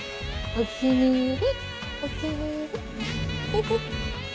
お気に入り。